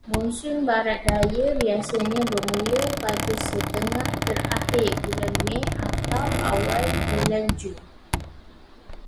Monsun barat daya biasanya bermula pada setengah terakhir bulan Mei atau awal bulan Jun.